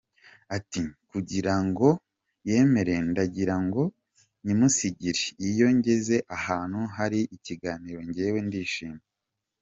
Ati “Kugira ngo yemere ndagira ngo nyimusigire, iyo ngeze ahantu hari ikiganiro njyewe ndishima,”.